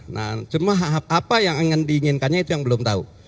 nah cuma apa yang akan diinginkannya itu yang belum tahu